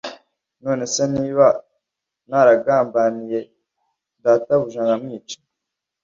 None se niba naragambaniye l databuja nkamwica